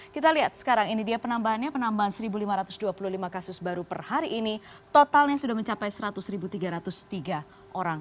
kita lihat sekarang ini dia penambahannya penambahan satu lima ratus dua puluh lima kasus baru per hari ini totalnya sudah mencapai seratus tiga ratus tiga orang